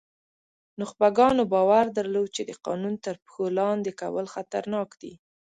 نخبګانو باور درلود چې د قانون تر پښو لاندې کول خطرناک دي.